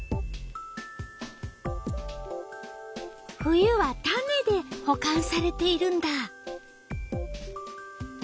冬は種でほかんされているんだ。